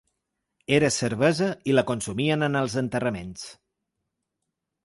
Era cervesa i la consumien en els enterraments.